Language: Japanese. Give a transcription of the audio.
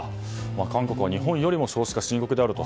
韓国は日本よりも少子化が深刻であると。